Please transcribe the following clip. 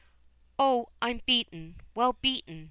O, I'm beaten well beaten!